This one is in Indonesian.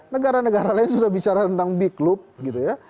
negara negara lain sudah bicara tentang biklub gitu ya